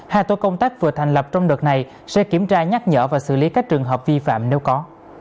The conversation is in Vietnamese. hai tổ công tác vừa thành lập trong đợt này sẽ kiểm tra nhắc nhở và xử lý các trường hợp vi phạm nếu có